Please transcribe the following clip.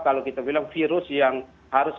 kalau kita bilang virus yang harus